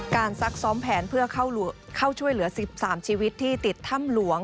ซักซ้อมแผนเพื่อเข้าช่วยเหลือ๑๓ชีวิตที่ติดถ้ำหลวง